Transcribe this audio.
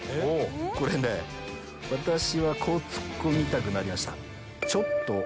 これね私はこうツッコミたくなりました。